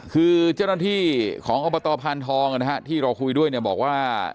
คือเจ้าหน้าที่ของอัปตาภัณฑ์ทองนะครับที่เราคุยด้วยเนี่ยบอกว่า